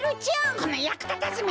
このやくたたずめ！